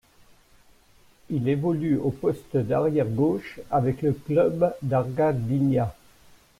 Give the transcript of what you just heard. Il évolue au poste d'arrière gauche avec le club d'Arka Gdynia.